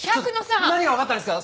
何がわかったんですか？